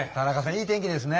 いい天気ですね。